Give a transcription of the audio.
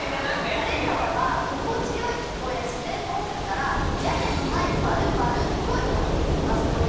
軽井沢は心地よい気候や自然の多さから「屋根のない○○」と呼ばれています。